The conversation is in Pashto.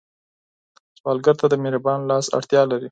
سوالګر ته د مهربان لاس اړتیا لري